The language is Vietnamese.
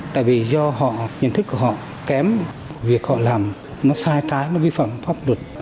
tại vì do họ nhận thức của họ kém việc họ làm nó sai trái nó vi phạm pháp luật